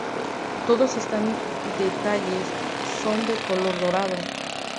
Todos estos detalles son de color dorado.